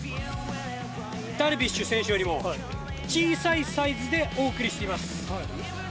ダルビッシュ選手よりも小さいサイズでお送りしています。